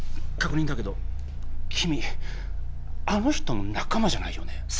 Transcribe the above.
確認だけど君あの人の仲間じゃないよね？